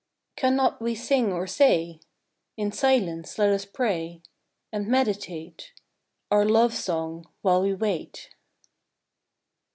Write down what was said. Cannot we sing or say ? In silence let us pray, And meditate Our love song while we wait.